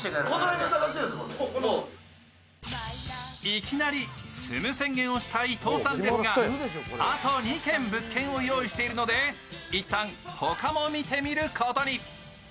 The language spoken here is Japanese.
いきなり住む宣言をした伊藤さんですがあと２軒、物件を用意しているので一旦、他も見てみることに。